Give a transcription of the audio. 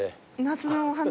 夏のお花。